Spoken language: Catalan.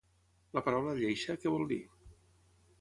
La paraula lleixa, què vol dir?